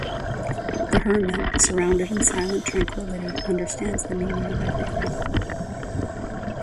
The hermit, surrounded in silent tranquility, understands the meaning of everything.